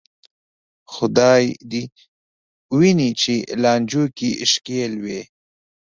خدای دې دې ویني چې لانجو کې ښکېل وې.